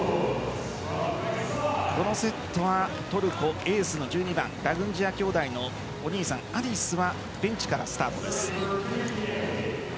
このセットはトルコエースの１２番ラグンジヤ兄弟のお兄さんアディスはベンチからスタートです。